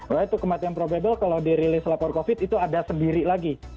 bahwa itu kematian probable kalau dirilis lapor covid itu ada sendiri lagi